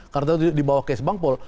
karena itu di bawah kes bankpol